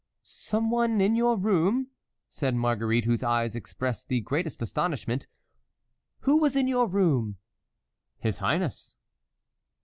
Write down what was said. "Some one in your room?" said Marguerite, whose eyes expressed the greatest astonishment; "who was in your room?" "His highness."